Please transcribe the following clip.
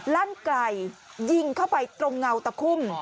ลั่นไกลยิงเข้าไปตรงเงาตะคุ่ม